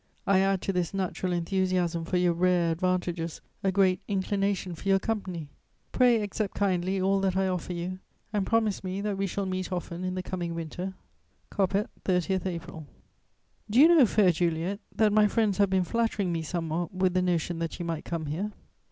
I add to this natural enthusiasm for your rare advantages a great inclination for your company. Pray accept kindly all that I offer you, and promise me that we shall meet often in the coming winter." "COPPET, 30 April. "Do you know, fair Juliet, that my friends have been flattering me somewhat with the notion that you might come here?